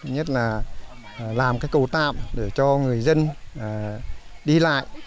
nhất là làm cái cầu tạm để cho người dân đi lại